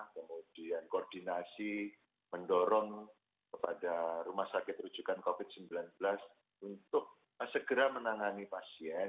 kemudian koordinasi mendorong kepada rumah sakit rujukan covid sembilan belas untuk segera menangani pasien